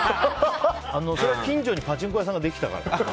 それは近所にパチンコ屋さんができたから。